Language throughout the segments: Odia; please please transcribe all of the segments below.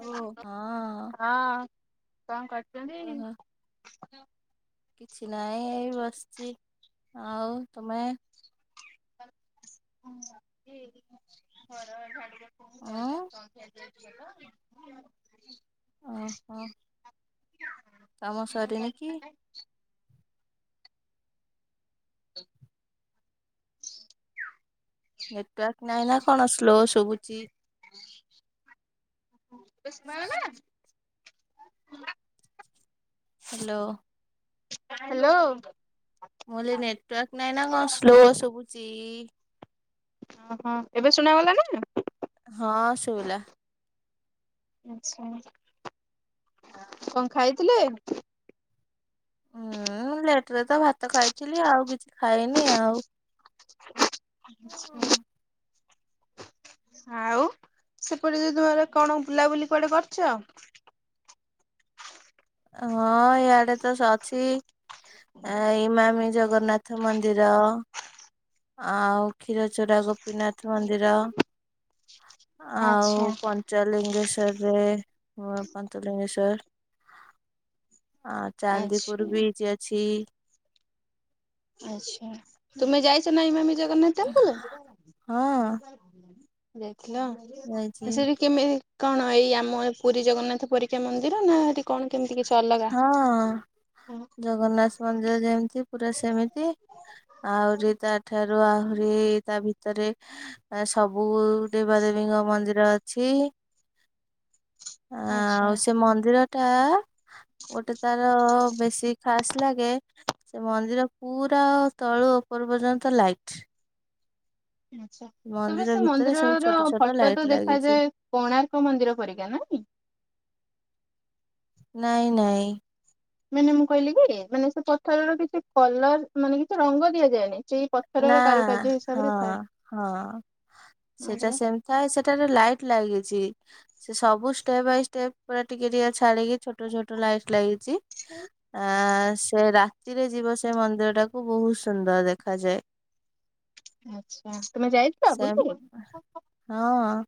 ଓ ହଁ ହଁ କଣ କରୁଚନ୍ତି? କହ [unintelligible] କିଛି ନାହିଁ ଏଇ ବସିଛି। ଆଉ ତୁମେ? [unintelligible] ଉଁ [unintelligible] [unintelligible] ଓହୋ କାମ ତ। ସରିନି କି? ନେଟୱାର୍କ ନାଇଁ ନା କଣ ସ୍ଲୋ ଶୁଭୁଚି। [unintelligible] [unintelligible] ହ୍ୟାଲୋ। ହ୍ୟାଲୋ। ମୁଁ କହିଲି ନେଟୱାର୍କ ନାଇଁ ନା କଣ ସ୍ଲୋ ଶୁଭୁଚି। ଓହୋ ଏବେ ଶୁଣାଗଲା ନା। ହଁ ଶୁଭିଲା। ଆଚ୍ଛା କଣ ଖାଇଥିଲେ? ମୁଁ ଲେଟ୍ ରେ ତ ଭାତ ଖାଇଥିଲି ଆଉ କିଛି ଖାଇନି ଆଉ। ଆଉ ସେପଟେ ଯୋଉ ତୁମର କଣ ବୁଲାବୁଲି କୁଆଡ଼େ କରିଚ? ହଁ ଇଆଡ଼େ ତ ସ ଅଛି। ଆ ଈମାମି ଜଗନ୍ନାଥ ମନ୍ଦିର। ଆଉ କ୍ଷୀରଚୋରା ଗୋପିନାଥ ମନ୍ଦିର। ଆଉ ଆଚ୍ଛା ପଞ୍ଚଲିଙ୍ଗେଶ୍ଵର। ରେ ନୂଆ ପଞ୍ଚଲିଙ୍ଗେଶ୍ୱର। ଆଁ ଆଚ୍ଛା ଚାନ୍ଦିପୁର ବିଚ ଅଛି। ଆଚ୍ଛା ତୁମେ ଯାଇ ନାଇ ମାନେ ଜଗନ୍ନାଥ ଟେମ୍ପୁଲ। ହଁ ଦେଖ ଥିଲା ଯାଇଛି ସେଠି କେମିତି କଣ ଏଇ ଆମ ଏ ପୁରୀ ଜଗନ୍ନାଥ ପରିକ୍ରମା ମନ୍ଦିର ନା ଏଠି କଣ କେମିତି କିଛି ଅଲଗା? ହଁ ଜଗନ୍ନାଥ ମନ୍ଦିର ଯେମତି ପୁରା ସେମିତି ଆହୁରି ତା ଠାରୁ ଆହୁରି ତା ଭିତ ଭିତରେ ସବୁ ଦେବାଦେବୀଙ୍କ ମନ୍ଦିର ଅଛି। ଆ ଆଚ୍ଛା ଆଉ ସେ ମନ୍ଦିର ଟା ଗୋଟେ ତାର ବେଶୀ ଖାସ ଲାଗେ ସେ ମନ୍ଦିର ପୁରା ତଳୁ ଉପର ପର୍ଯ୍ୟନ୍ତ ଲାଇଟି୍। ଆଛା ତାପରେ ସେ ଭିତରେ ସବୁ ମନ୍ଦିରର ଛୋଟ ଛୋଟ ଫଟୋ ତ ଲାଇଟ୍ ଲାଗିଛି। ଦେଖାଯାଏ କୋଣାର୍କ ମନ୍ଦିର ପରିକା ନାଇଁ? ନାଇଁ ନାଇଁ ମାନେ ମୁଁ କହିଲି କି ମାନେ ସେ ପଥରର କିଛି କଲର ମାନେ କିଛି ରଙ୍ଗ ଦିଆଯାଏନି। ସେଇ ନା ପଥରର କାରୁକାର୍ଯ୍ୟ ହିସାବରେ ହଁ ଥାଏ। ହଁ ସେଟା ସେମିତି ଥାଏ ସେଟାରେ ଲାଇଟ୍ ଲାଗି ଚି ସେ ସବୁ ଷ୍ଟେପ ବାଇ ଷ୍ଟେପ ପୁରା ଟିକେ ଟିକେ ଛାଡିକି ଛୋଟ ଛୋଟ ଲାଇଟ ଲାଗି ଚି ଆ ସେ ରାତିରେ ଯିବ ସେ ମନ୍ଦିର ଟାକୁ ବହୁତ ସୁନ୍ଦର ଦେଖାଯାଏ। ଆଚ୍ଛା ତମେ ଯାଇଥିଲ ସେ ବୁଲି? ହଁ।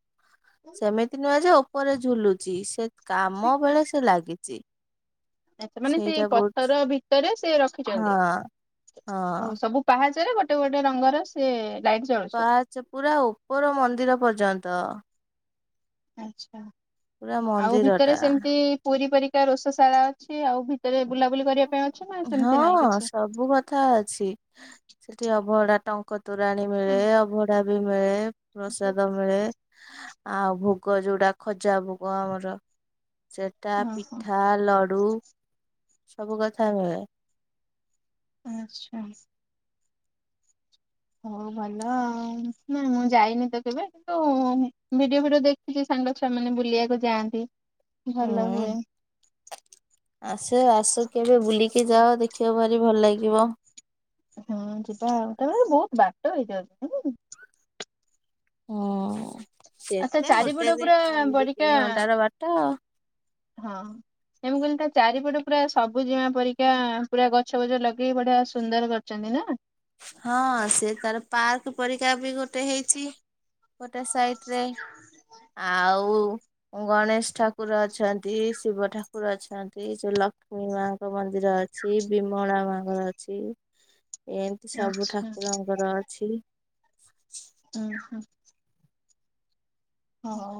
ସେମିତି ନୁହେଁ ଏ ସେ ଉପରେ ଝୁଲୁଚି ସେ କାମ ବେଳେ ସେ ଲାଗିଛି। ଆଚ୍ଛା ମାନେ ସେଇ ସେଇଟା ବହୁତ ପଥର ଭିତରେ ସେ ର ହଁ ରଖୁଛନ୍ତି ଓହୋ ହଁ। ସବୁ ପା ପାହାଚରେ ଗୋଟେ ଗୋଟେ ରଙ୍ଗର ସେ ଲାଇଟ୍ ଜଳୁଛି। ପାହାଚ ପୁରା ଉପର ମନ୍ଦିର ପର୍ଯ୍ୟନ୍ତ। ଆଚ୍ଛା। ପୁରା ଆଉ ମନ୍ଦିର ଭିତରେ ଟା। ସେମିତି ପୁରୀ ପରି ତା ରୋଷ ଶାଳା ଅଛି ଆଉ ଭିତରେ ବୁଲାବୁଲି କରିବା ପାଇଁ ଅଛି ନା ସେମିତି ହଁ ନାଇଁ କିଛି? ସବୁ କଥା ଅଛି ସେଠି ଅଭଡା ଟଙ୍କ ତୁରାଣୀ ମିଳେ ଅଭଡା [unintelligible] ପ୍ରସାଦ ମିଳେ ଆଉ ଭୋଗ ଯୋଉଟା ଖଜା ଭୋଗ ଆମର ସେଟା ଓହୋ ପିଠା ଲଡ଼ୁ ସବ କଥା ହୁଏ। ଆଚ୍ଛା। ହଉ ଭଲ ନା ମୁଁ ଯାଇନି ତ କେବେ କିନ୍ତୁ ଭିଡିଓ ଭିଡିଓ ଦେଖିଛି ସାଙ୍ଗ ଛୁଆମାନେ ବୁଲିବାକୁ ଯାଆନ୍ତି। ଭଲ ହୁଁ ହୁଏ ଆସ ଆସ କେବେ ବୁଲିକି ଯାଅ ଦେଖିବାକୁ ଭାରି ଭଲ ଲାଗିବ। ହଁ ଯିବା ଆଉ ତାପରେ ବହୁତ ବାଟ ହେଇଯାଉଛି। ହଁ। ଆଚ୍ଛା ସେତ ଗୋଟେ ଚାରିପଟ ପୁରା ଦିନ ଦି ତିନି ବଡିକା ଘଣ୍ଟାର ବାଟ। ହଁ ସେ ମୁଁ କହିଲି ତା ଚାରିପଟେ ପୁରା ସବୁଜିମା ପରିକା ପୁରା ଗଛ ବଛ ଲଗେଇକି ବଢି଼ଆ ସୁନ୍ଦର କରିଛନ୍ତି ନା। ହଁ ସେ ତାର ପାର୍କ ପରିକା ବି ଗୋଟେ ଗୋଟେ ହେଇଛି ଗୋଟେ ସାଇଟ୍ ଆଉ ଗଣେଶ ଠାକୁର ଅଛନ୍ତି ଶିବ ଠାକୁର ଅଛନ୍ତି ଯୋଉ ଲକ୍ଷ୍ମୀ ମାଙ୍କ ମନ୍ଦିର ଅଛି ବିମଳା ମନ୍ଦିର ଅଛି। ସବୁ ଆଚ୍ଛା। ଠାକୁରଙ୍କର ଅଛି। ଓ ହୋ।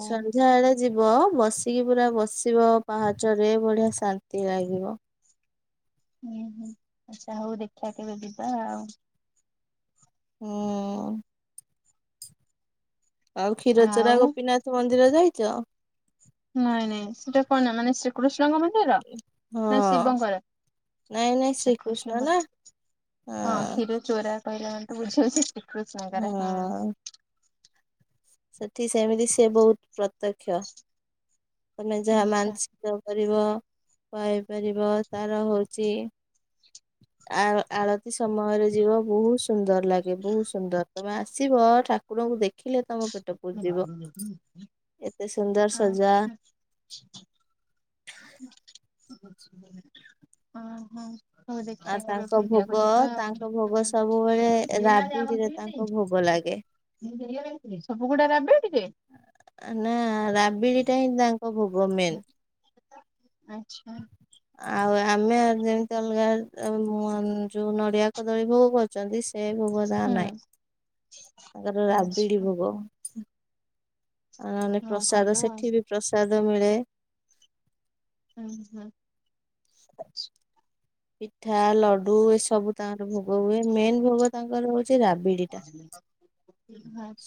ସନ୍ଧ୍ୟାବେଳେ ଯିବ ବସିକି ପୁରା ବସିବ ପାହାଚରେ ବଢ଼ିଆ ଶାନ୍ତି ଲାଗିବ। ହୁଁ ହୁଁ ଆଚ୍ଛା ହଉ ଦେଖିବା କେବେ ଯିବା ଆଉ। ହୁଁ। ଆଉ କ୍ଷୀରଚୋରା ଆଉ ଗୋପୀନାଥ ମ [unintelligible] ଯାଇଛ? ନାଇଁ ନାଇଁ ସେଟା କନ୍ଟା ମାନେ କୃଷ୍ଣଙ୍କ ମନ୍ଦିର ହଁ ନା ଶିବଙ୍କର ନାଇଁ ନାଇଁ ଶ୍ରୀକୃଷ୍ଣ ନା କୃଷ୍ଣଙ୍କର ହଁ କ୍ଷୀର ଚୋରା। [inaudible] ଶ୍ରୀକୃଷ୍ଣଙ୍କର ହଁ। ସେଠି ସେମିତି ସେ ବହୁତ ପ୍ରତ୍ୟକ୍ଷ। ଯାହା ଆଚ୍ଛା। ମାାନସିକ ପାଇପାରିବ ତାର ହଉଛି ଆଉ ଆଳତି ସମୟରେ ଯିବ ବହୁତ ସୁନ୍ଦର। ଲାଗେ ବହୁତ ସୁନ୍ଦର। ତମେ ଆସିବ ଠାକୁରଙ୍କୁ ଦେଖ ଏତେ ସୁନ୍ଦର ସଜା ଆଛ [inaudible] ଓହୋ। ଆଉ ତାଙ୍କ ଭୋଗ ତାଙ୍କ ଭୋଗ ସବୁବେଳେ ରାବିଡିରେ ତାଙ୍କ ଭୋଗ ଲାଗେ। କୁକୁଡା ରାବେ। ନା ରାବିଡି ଟା ହିଁ ତାଙ୍କ ଭୋଗ। ଗୁମେନ୍। ଆଚ୍ଛା। ଆମେ ଯେମିତି ଅଲଗା ଯୋଉ ନଡ଼ିଆ କଦଳୀ ଭୋଗ କରୁଛନ୍ତି ସେ ସେ ଭୋଗ ହୁଁ ତାଙ୍କର ନାହିଁ। ତାଙ୍କର ରାବିଡି ଆଚ୍ଛା ଭୋଗ। ମାନେ ହଁ ଭଲ ପ୍ରସାଦ ଆଉ ସେଠି ବି ପ୍ରସାଦ। ଭୋଗ ମିଳେ। ହୁଁ ହୁଁ। [inaudible] ପିଠା ଲଡୁ ଏ ସବୁ ତାଙ୍କର ଭୋଗ ହୁଏ ମେନ୍ ଭୋଗ ତାଙ୍କର ହଉଛି ସେ ରାବିଡି ଟା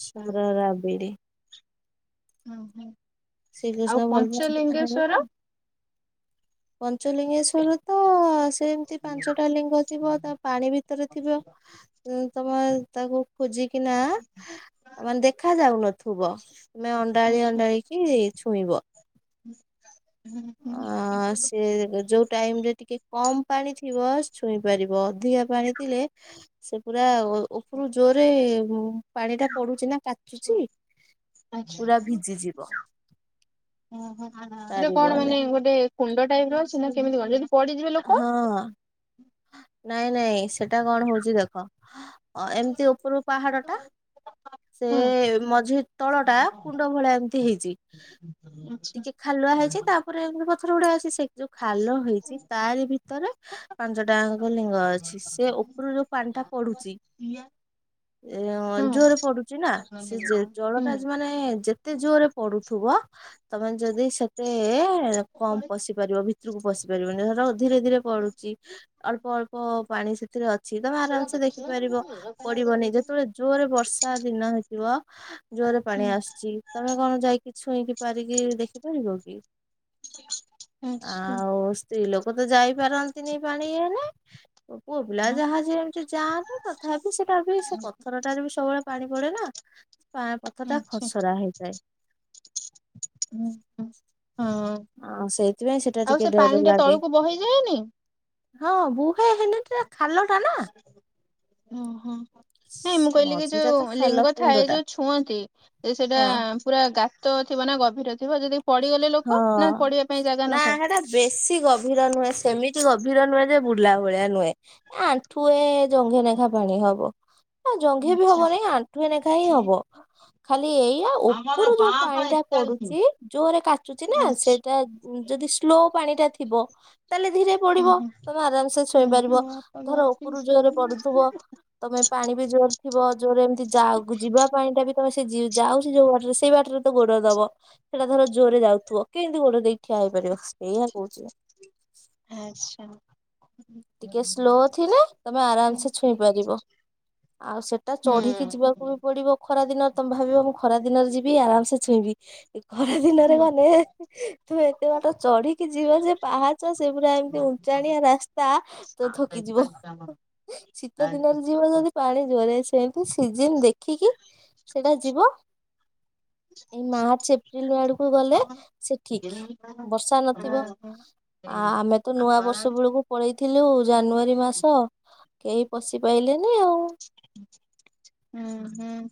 ସର ରାବିଡି। ହୁ ହଁ ଆଉ ଶ୍ରୀକୃଷ୍ଣ ପଞ୍ଚଲିଙ୍ଗେଶ୍ଵର। ପଞ୍ଚଲିଙ୍ଗେସ୍ୱର ତ ଯେମିତି ପାଞ୍ଚଟା ଲିଙ୍ଗ ଥିବ ତା ପାଣି ଭିତରେ ଥିବ। ତମ ତାକୁ। ଖୋଜିକିନା ମାନେ ଦେଖା ଯାଉନଥିବ। ଥିବ। ତମେ ଅଣ୍ଡାଳି ଆଚ୍ଛା ଅଣ୍ଡାଳି କି। ଛୁଇଁବ। ହୁଁ। ହୁଁ। ଅ ସେ ଯୋଉ ଟାଇମ ରେ ଟିକେ। କମ ପାଣି ଥିବ ଛୁଇଁ ପାରିବ ଅଧିକା ପାଣି ଥିଲେ ସେ ପୁରା। ଉପରୁ ଜୋରେ ପାଣି ଟା ପଡୁଛି ନା କାଚୁଛି ଆଚ୍ଛା ପୁରା ଭିଜିଯିବ। ଓହୋ ସେଟା କଣ ପାରିବନି ମାନେ ଗୋଟେ। କୁଣ୍ଡ ଟାଇପ ର ସିନା କେମିତି କଲେ ଯଦି ପଡିଯିବେ ଲୋକ। ହଁ ନାଇଁ ନାଇଁ ସେଟା କଣ ହଉଛି ଦେଖ ଏମିତି ଉପରୁ ପାହାଡ ଟା ସେ ହଁ ମଝି ତଳ ଟା କୁଣ୍ଡ ଭଳିଆ ଏମିତି ହେଇଛି। ଆଚ୍ଛା। ଟିକେ ଖାଲୁଆ ହଁ ହେଇଛି ତାପରେ ଏମିତି। ପାଖ ରେ ଯୋଉଟା ଅଛି ସେ ଯୋଉ ଖାଲ ହେଇଛି ତାରି ଭିତରେ ପାଞ୍ଚଟାଙ୍କ ଲିଙ୍ଗ ଅଛି ସେ ହୁଁ। ଉପରୁ ଯୋଉ ପାଣି ଟା ପଡୁଛି ଜୋରରେ ପଡୁଛି ନା ସେ ଜଳଟା ମାନେ ଯେତେ ଜୋରରେ ପଡୁ। ଥିବ ତମେ ଯଦି ସେତେ କମ୍ ପଶି ପାରିବ ଭିତରେ। ଭିତର କୁ ପଶି ପାରିବନି ଧର। ଧୀରେ ଧୀରେ ପଡୁଛି। ଅଳ୍ପ ଅଳ୍ପ ପାଣି ସେ ସେଥିରେ ଅଛି ତମେ ଆରାମସେ ଦେଖିପାରିବ ପଡିବନି ଯେତେବେଳେ ଜୋରରେ ବର୍ଷା ଦିନ ହେଇଥିବ ଜୋରରେ ପାଣି ଆସୁଛି ତମେ କଣ ଯାଇକି ଛୁଇଁକି ପାରିକି ଦେଖିପାରିବ କି ଆଚ୍ଛା। ଆଉ ସେଇ ଲୋକ ତ ଯାଇପାର ନି ପାଣିଇଲେ। ପୁଅ ପିଲା ଯାହା ଯିଏ ଏମିତି ଯାଆନ୍ତି ତଥାପି ସେଟା ବି ସେ ପଥରଟାରେ ବି ସବୁବେଳେ ପାଣି ପଡେ ନା ପଥ ଟା ଆଛା ଖସରା ହେଇଥାଏ ହଁ ଆ ସେଇଥିପାଇଁ ସେଟା ଆଉ ଟିକେ ସେ ଡର ପାଣି ଟା ଲାଗେ ତଳକୁ ବହି ଯାଏନି। ହଁ ବୁହେ ହେଲେ ଖାଲ ଟା ନା। ଓ ହଁ। ନାଇଁ ମୁଁ କହିଲି କି ମଝିଟା ଯୋଉ ତ ଖାଲ ଲିଙ୍ଗ କୁଣ୍ଡ ଥାଏ ଟା ଯୋଉ ଛୁଅନ୍ତି ସେଇଟା ହଁ ପୁରା ଗା ତ ଥିବ ନା ଗଭୀର ଥିବ ଯଦି ପଡିଗଲେ ହଁ ଲୋକ ନା ପଡିବା ପାଇଁ ଜାଗା ନା ନଥାଏ? ଏଟା ବେଶୀ ଗଭୀର ନୁହେଁ ସେମିତି ଗଭୀର ନୁହେଁ ଯେ ବୁଡିଲା ଭଳିଆ ନୁହେଁ ଆଣ୍ଠୁଏ ଜଙ୍ଘେନେଖା ପାଣି ହବ। ଆ ଜଙ୍ଘି ବି ଆଚ୍ଛା ହବ ନାଇଁ ଆଣ୍ଠୁଏ ଲେଖା ହିଁ ହବ। ଖାଲି ଏଇଆ ଉପରୁ ଯୋଉ ପାଣି ଟା ପଡୁଛି ଜୋରୋ କା ଆଚ୍ଛା ସେଇଟା ଯଦି ସ୍ଲୋ ପାଣି ଟା ଥିବ ତାହେଲେ ଧୀରେ ପଡିବ। ହୁଁ ତମେ ଆରାମସେ ଛୁଇଁ ହୁଁ ପାରିବ ହୁଁ ହୁଁ। ଧର ଉପରୁ ଜୋରେ ପଡୁଥିବ ତମେ ପାଣି ବି ଜୋର ଥିବ ଯୋଉରା ଏମିତି ଯାଉ ଯିବା ପାଣି ଟା ବି ତମେ ସେ ଯାଉଛି ଯୋଉ ବାଟରେ ସେ ସେଇ ବାଟରେ ତ ଗୋଡ ଦବ ସେଇଟା ଧର ଜୋରରେ ଯାଉ ତୁ କେମିତି ଗୋଡରେ ଦେଇଠିଆ ହେଇପାରିବ। ଏଇଆ କହୁଛି। ଆଚ୍ଛା ଟିକେ ସ୍ଲୋ ଥିଲେ ତମେ ହୁଁ ଆରାମସେ ହୁଁ। ଛୁଇଁ ପାରିବ ଆଉ ସେଟା ଓହୋ ଚଢିକି ଯିବାକୁ ବି ପଡିବ ଖରାଦିନ ଭାବିବ ମୁଁ ଖରା ଦିନରେ ଯିବି ଆରାମ ସେ ଛୁଇଁବି ଖରା ଦିନରେ ଗଲେ ତୁମେ ଏତେ ବାଟ ଚଢିକି ଯିବ ଯେ ପାହାଚ ସେ ପୁରା ଏମିତି ଉଞ୍ଚାଣିଆ ରାସ୍ତା ଆ ଥକି ଯିବ ଶୀତ ଦିନରେ ଯିବ ଯଦି ପାଣି ଜୋରେ ଆସି ସେମିତି ସିଜିନ ଦେଖିକି ସେଟା ଯିବ। ଏଇ ମାର୍ଚ୍ଚ ଏପ୍ରିଲ ଆଡକୁ ଗଲେ ସେ ଠିକ ବର୍ଷା ନଥିବ ଆ ଆମେ ତ ନୂଆ ବର୍ଷ ବେଳକୁ ଥିଲୁ। ଜାନୁଆରୀ ମାସ। କେହି ପଶିପଲେନି ହଁ ହଁ।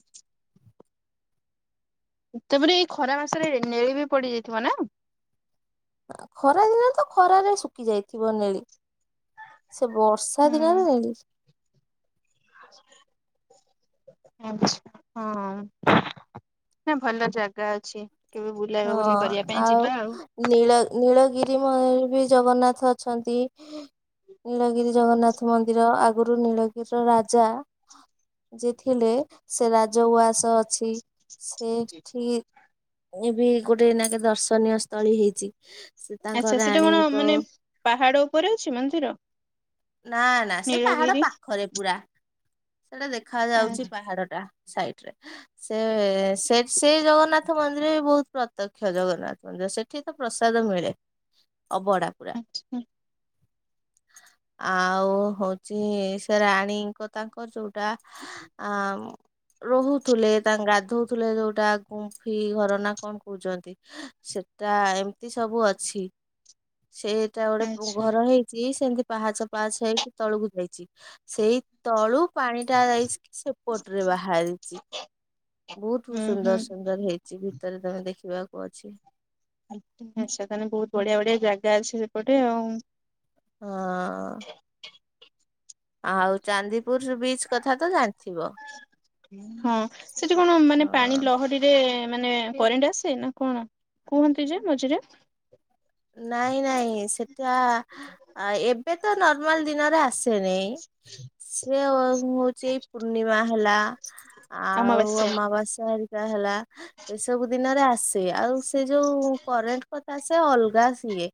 ତାପରେ ଏଇ ଖରା ମାସରେ ନେଳି ବି ପଡିଯାଇଥିବ ନା ଖରା ଦିନରେ ତ ଖରାରେ ଶୁଖି ଯାଇଥିବ ନେଳି ସେ ବର୍ଷା ଦିନରେ ନେଳି ଆଛା ହଁ ନା ଭଲ ଜାଗା ଅଛି। କେବେ ବୁଲାଇବା ହଁ ବୁଲି କରିବା ପାଇଁ ଆଉ ଯିବା ନୀଳ ନୀଳଗିରି ମ ବି ଜଗନ୍ନାଥ ଅଛନ୍ତି ନୀଳଗିରି ଜଗନ୍ନାଥ ମନ୍ଦିର ଆଗରୁ ନୀଳଗିରିର ରାଜା ଯେ ଥିଲେ ସେ ରାଜଉଆସ ଅଛି। ସେଠି ଏ ବି ଗୋଟେ ଏଇନାକେ ଦର୍ଶନୀୟ ସ୍ଥଳୀ ହେଇଛି। ସେ ତାଙ୍କ ଆଚ୍ଛା ସେଟା କଣ ରାଣୀଙ୍କ ମାନେ ପାହାଡ ଉପରେ ଅଛି ମନ୍ଦିର ନା ନା ସେ ପାହାଡ ନୀଳଗିରି ପାଖରେ ପୁରା ସେଇଟା ଦେଖ ଯାଉଛି ଆଚ୍ଛା ପାହାଡ ଟା ସାଇଟ ରେ ସେ ସେ ସେଇ ଜଗନ୍ନାଥ ଥ ମନ୍ଦିର ବି ବହୁତ ପ୍ରତ୍ୟକ୍ଷ ଜଗନ୍ନାଥ ମନ୍ଦିର ସେଠି ତ ପ୍ରସାଦ ମିଳେ। ଅବଡ଼ା ପୁରା [unintelligible] ଆଉ ହଉଛି ସେ ରାଣୀଙ୍କ ତାଙ୍କର ଯୋଉଟା ଆ ରହୁଥିଲେ ତା ଗାଧଉଥିଲେ ଯୋଉଟା ଗୁମ୍ଫି ଘର ନା କଣ କହୁଛନ୍ତି ସେଟା ଏମିତି ସବୁଅଛି। ସେଟା ଗୋଟେ ଆଚ୍ଛା ପୁଘର ହେଇଛି। [unintelligible] ପାହାଚ ପାହାଚ ହେଇକି ତଳୁକୁ ଯାଇଛି ସେଇ ତଳୁ ପାଣି ଟା ଯାଇଛି ସେପଟ ରେ ବାହାରିଛି ବହୁତ ହୁଁ ହୁଁ। ସୁନ୍ଦର ସୁନ୍ଦର ହେଇଛି ଭିତରେ ତମେ ଦେଖ ଯିବାକୁ ଅଛି। ଆଚ୍ଛା ତାହେଲେ ବହୁତ ବଢିଆ ବଢିଆ ଜାଗା ଅଛି ସେପଟେ ଆଉ। ହଁ। ଆଉ ଚାନ୍ଦିପୁର ବିଚ କଥା ତ ଜାଣି ହଁ, ସେଠି କଣ ମାନେ ପାଣି ହଁ ଲହରୀରେ ମାନେ କରେଣ୍ଟ ଆସେ ନା କଣ, କୁହନ୍ତି ଯେ ମଝିରେ ନାଇଁ ନାଇଁ ସେଟା ଏ ଏବେ ତ ନର୍ମାଲ୍ ଦିନରେ ଆସ ସେ [unintelligible] ସେ ହଉଛି ପୂର୍ଣ୍ଣିମା ହେଲା ଆଉ ଅମାବାସ୍ୟା ଅମାବାସ୍ୟା ହେଲା ଏସବୁ ଦିନରେ ଆ ଆସେ ଆଉ ସେ ଯୋଉ କରେଣ୍ଟ କଥା ସେ ଅଲ ସିଏ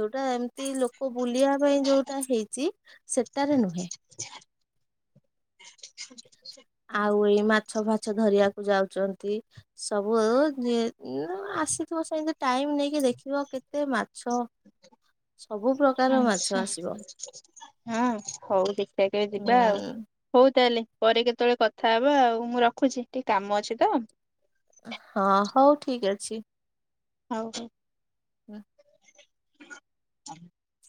ଯୋଉଟା ଏମିତି ଲୋକ ବୁଲିବା ପାଇଁ ଯୋଉଟା ହେଇଛି ସେଟାରେ ନୁହେଁ ଆ [unintelligible] ଆଉ ଏଇ ମାଛ ଫାଛ ଧରିବାକୁ ଯାଉଛନ୍ତି। ସବୁ ଆଉ ଆସିଥିବ ସେମିତି ଟାଇମ ନେଇକି ଦେଖିବ କେତେ ମାଛ ସବୁ ପ୍ରକାର ମାଛ ଆଚ୍ଛା, ଆସିବ ହଁ ହଉ ଦେଖିବା କେବେ ଯିବା ଆଉ। ହୁଁ। ହଉ ତାହେଲେ ପରେ କେତେବେଳେ କଥା ହବା ଆଉ ମୁଁ ରଖୁଛି ଟିକେ କାମ ଅଛି ତ। ହଁ, ହଉ ଠିକ ଅଛି। ହଉ ହଉ। ହୁଁ ହ